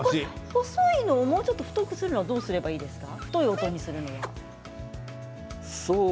細い音をもうちょっと太くするにはどうすればいいですか。